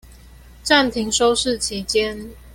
暫停收視期間